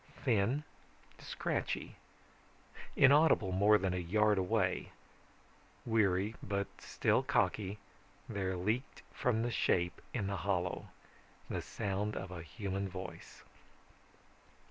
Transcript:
Thin, scratchy, inaudible more than a yard away, weary but still cocky, there leaked from the shape in the hollow the sound of a human voice.